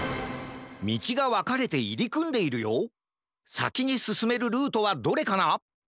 さきにすすめるルートはどれかな？